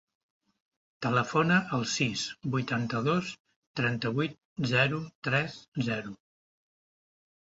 Telefona al sis, vuitanta-dos, trenta-vuit, zero, tres, zero.